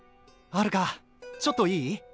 はるかちょっといい？